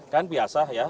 kan biasa ya